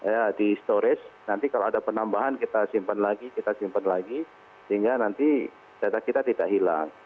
ya di storage nanti kalau ada penambahan kita simpan lagi kita simpan lagi sehingga nanti data kita tidak hilang